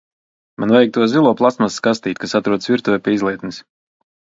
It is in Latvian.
Man vajag to zilo plastmasas kastīti, kas atrodas virtuvē pie izlietnes.